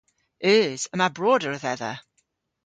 Eus. Yma broder dhedha.